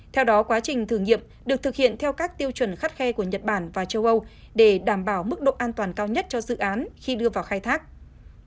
theo đó quá trình thử nghiệm được thực hiện theo các tiêu chuẩn khắt khe của nhật bản và châu âu để đảm bảo mức độ an toàn cao nhất cho dự án khi đưa vào khai thác